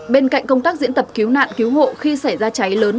bên cạnh công tác diễn tập cứu nạn cứu hộ khi xảy ra cháy lớn